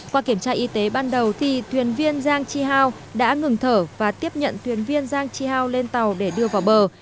qua kiểm tra y tế ban đầu thì thuyền viên giang di hao đã ngừng thở và tiếp nhận thuyền viên giang di hao lên tàu để đưa vào bờ